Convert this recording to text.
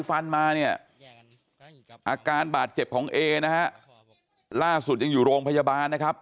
อาการบาดเจ็บของเอนะฮะล่าสุดยังอยู่โรงพยาบาลนะครับ